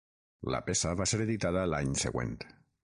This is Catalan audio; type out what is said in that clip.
La peça va ser editada l'any següent.